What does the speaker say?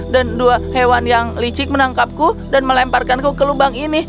dan dua hewan yang licik menangkapku dan melemparkanku ke lubang ini